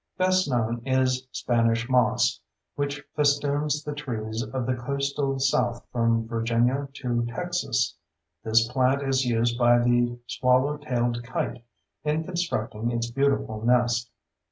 Best known is Spanish moss, which festoons the trees of the coastal South from Virginia to Texas; this plant is used by the swallow tailed kite in constructing its beautiful nest.